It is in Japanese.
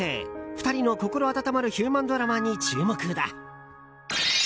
２人の心温まるヒューマンドラマに注目だ。